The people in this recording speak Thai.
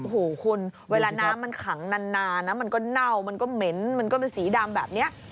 โอ้โหคุณเวลาน้ำมันขังนานนะมันก็เน่ามันก็เหม็นมันก็เป็นสีดำแบบนี้